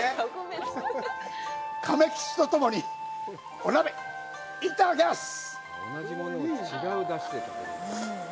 亀吉とともにお鍋、いただきます！